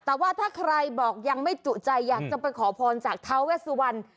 แต่ว่าถ้าใครบอกยังไม่จุใจอยากจะไปขอพรจากท้าเวสวรรณ